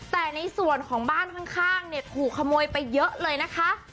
แต่ในส่วนของบ้านข้างเนี่ยถูกขโมยไปเยอะเลยนะคะ